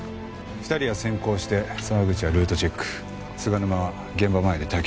２人は先行して沢口はルートチェック菅沼は現場前で待機してくれ。